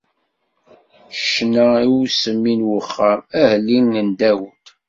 Ccna i usemmi n uxxam, ahellil n Dawed.